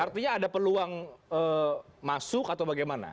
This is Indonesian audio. artinya ada peluang masuk atau bagaimana